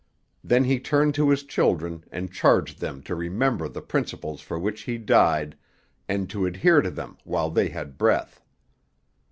Then he turned to his children and charged them to remember the principles for which he died, and to adhere to them while they had breath.